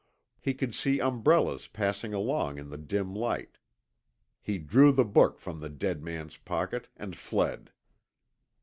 He could see umbrellas passing along in the dim light. He drew the book from the dead man's pocket and fled.